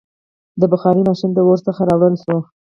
• د بخار ماشین د اور څخه راوړل شو.